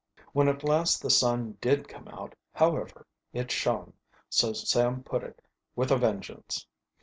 When at last the sun did come out, however, it shone, so Sam put it, "with a vengeance."